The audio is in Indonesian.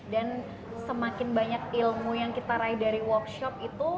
dan semakin banyak ilmu yang kita raih dari workshop itu